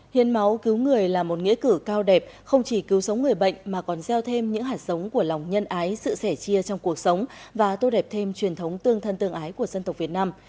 hiến máu cứu người là một nghĩa cử cao đẹp không chỉ cứu sống người bệnh mà còn gieo thêm những hạt sống của lòng nhân ái sự sẻ chia trong cuộc sống và tô đẹp thêm truyền thống tương thân tương ái của dân tộc việt nam